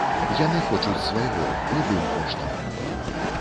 Яны хочуць свайго, любым коштам.